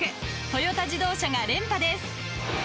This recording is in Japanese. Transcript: トヨタ自動車が連覇です。